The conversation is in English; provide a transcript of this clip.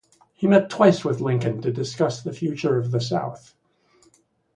He met twice with Lincoln to discuss the future of the South.